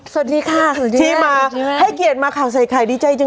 สวัสดีค่ะสวัสดีครับ